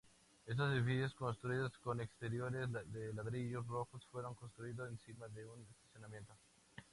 Estos edificios, construidos con exteriores de ladrillos rojos, fueron construido encima de un estacionamiento.